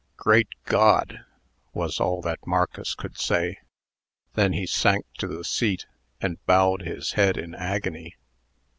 "Great God!" was all that Marcus could say. Then he sank to the seat, and bowed his head in agony.